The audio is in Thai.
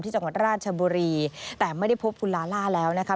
จังหวัดราชบุรีแต่ไม่ได้พบคุณลาล่าแล้วนะคะ